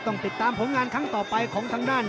ต้องติดตามผลงานครั้งต่อไปของทางด้าน